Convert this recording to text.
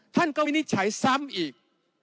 ท่านก็วินิจฉัยซ้ำอีก